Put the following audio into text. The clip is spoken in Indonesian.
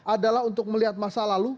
adalah untuk melihat masa lalu